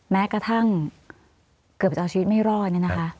แม้กระทั่งเกือบจะเอาชีวิตไม่รอด